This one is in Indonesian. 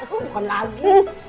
aku bukan lagu